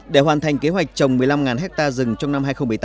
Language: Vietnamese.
để hoàn thành kế hoạch trồng một mươi năm ha rừng trong năm hai nghìn một mươi tám